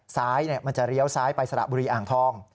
ซ้ายมันจะเลี้ยวซ้ายไปสระบุรีอ่างทอง